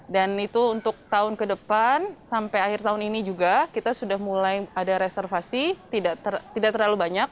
dan itu untuk tahun ke depan sampai akhir tahun ini juga kita sudah mulai ada reservasi tidak terlalu banyak